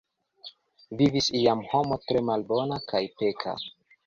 Vivis iam homo tre malbona kaj peka.